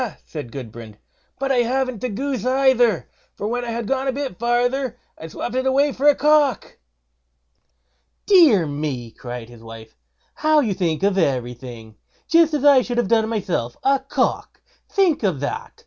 said Gudbrand, "but I haven't the goose either; for when I had gone a bit farther I swopped it away for a cock." "Dear me!" cried his wife, "how you think of everything! just as I should have done myself. A cock! think of that!